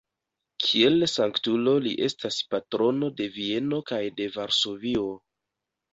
Kiel sanktulo li estas patrono de Vieno kaj de Varsovio.